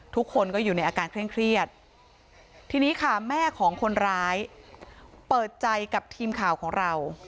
ทุกคนก็อยู่ในอาการเคร่งเครียดทีนี้ค่ะแม่ของคนร้ายเปิดใจกับทีมข่าวของเรา